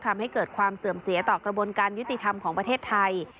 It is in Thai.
ทำให้เกิดความเสื่อมเสียต่อกระบวนการยุติธรรมของประเทศไทย